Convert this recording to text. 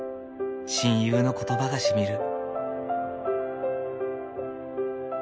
親友の言葉がしみる。